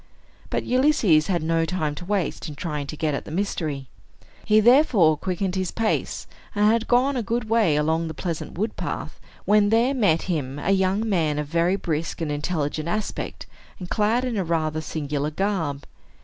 But Ulysses had no time to waste in trying to get at the mystery. He therefore quickened his pace, and had gone a good way along the pleasant wood path, when there met him a young man of very brisk and intelligent aspect, and clad in a rather singular garb.